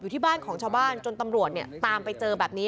ที่บ้านของชาวบ้านจนตำรวจเนี่ยตามไปเจอแบบนี้